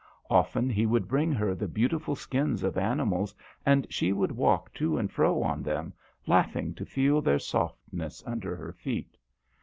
Often he would bring her the beautiful skins of animals, and she would walk to and fro on them, laughing to feel their soft ness under her feet.